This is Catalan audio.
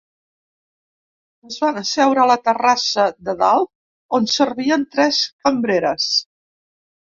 Ens van asseure a la terrassa de dalt, on servien tres cambreres.